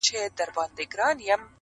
د پېغلوټو تر پاپیو به شم لاندي؛